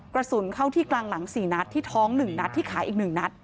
กระสุนเข้าที่กลางหลัง๔นัดที่ท้อง๑นัดที่ขาอีก๑นัด